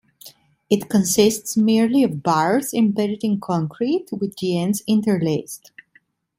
It consists merely of bars embedded in concrete, with the ends interlaced.